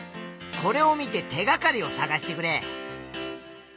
これを見て手がかりをさがしてくれ。